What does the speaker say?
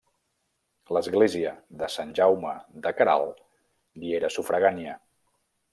L'església de Sant Jaume de Queralt li era sufragània.